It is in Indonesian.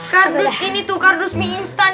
kardus ini tuh kardus mie instan